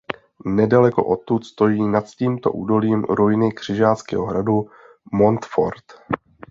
Nedaleko odtud stojí nad tímto údolím ruiny křižáckého hradu Montfort.